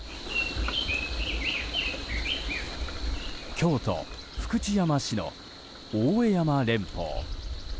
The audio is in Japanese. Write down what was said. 京都・福知山市の大江山連峰。